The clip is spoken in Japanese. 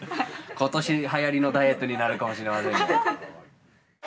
今年はやりのダイエットになるかもしれませんね。